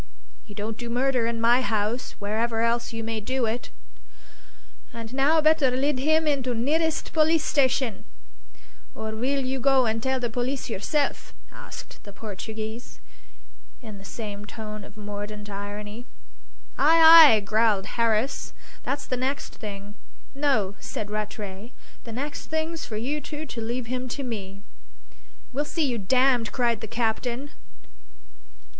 You don't do murder in my house, wherever else you may do it." "And now better lid 'im to the nirrest polissstation; or weel you go and tell the poliss yourself?" asked the Portuguese, in the same tone of mordant irony. "Ay, ay," growled Harris; "that's the next thing!" "No," said Rattray; "the next thing's for you two to leave him to me." "We'll see you damned!" cried the captain.